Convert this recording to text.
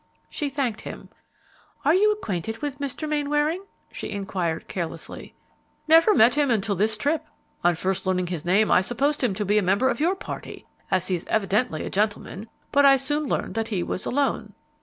She thanked him. "Are you acquainted with Mr. Mainwaring?" she inquired, carelessly. "Never met him until this trip. On first learning his name, I supposed him to be a member of your party, as he is evidently a gentleman; but I soon learned that he was alone."